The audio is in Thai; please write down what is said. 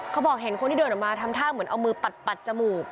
เขาบอกเห็นคนที่เดินออกมาทำท่าเหมือนเอามือปัดจมูก